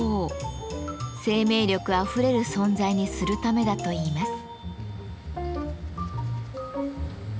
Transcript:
生命力あふれる存在にするためだといいます。